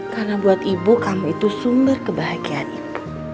karena buat ibu kamu itu sumber kebahagiaan ibu